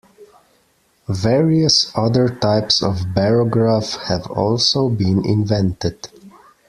Various other types of barograph have also been invented.